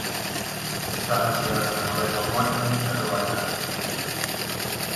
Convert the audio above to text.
Está baseado na novela homónima de Roald Dahl.